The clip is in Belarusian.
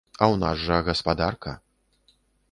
А ў нас жа гаспадарка.